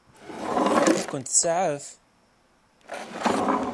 Ad ken-tsaɛef?